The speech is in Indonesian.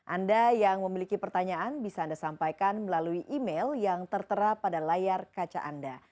anda yang memiliki pertanyaan bisa anda sampaikan melalui email yang tertera pada layar kaca anda